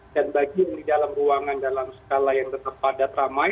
dan bagi yang di dalam ruangan dalam skala yang tetap padat ramai